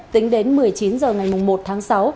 tính đến một mươi chín h ngày một tháng sáu